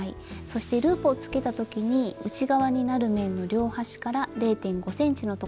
そしてループをつけた時に内側になる面の両端から０．５ｃｍのところに縫い付け線を引きます。